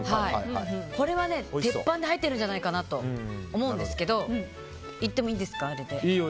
これは鉄板で入ってるんじゃないかと思うんですけどいってもいいですか。